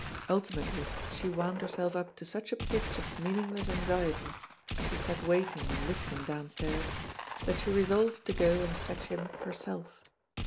Ultimately she wound her self up to such a pitch of meaningless anxiety, as she sat waiting and listening downstairs, that she resolved to go and fetch him herself.